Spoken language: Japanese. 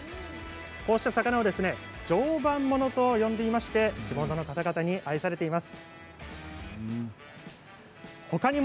こうした魚を常磐ものと呼んでいまして地元の方々に愛されています。